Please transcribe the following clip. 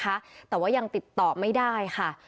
ไม่เป็นไรตำรวจในรถ